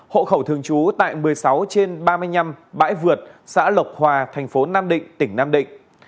hộ khẩu thường trú tại một mươi sáu trên ba mươi năm bãi vượt xã lộc hòa thành phố nam định tỉnh nam định